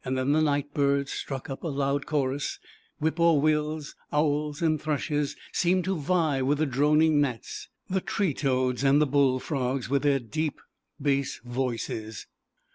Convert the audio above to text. Night Birds struck up a orus whip poor wills, owls and rushes seemed to vie with the droning fee toads and the bullfrogs, with their deep bass voices.